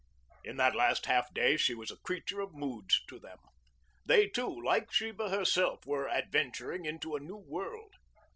In that last half day she was a creature of moods to them. They, too, like Sheba herself, were adventuring into a new world.